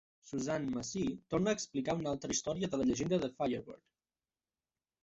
Suzanne Massie torna a explicar una altra història de la llegenda de Firebird.